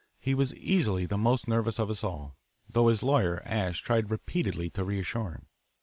He was easily the most nervous of us all, though his lawyer Asche tried repeatedly to reassure him.